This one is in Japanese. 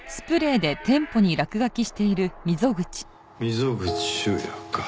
溝口修也か。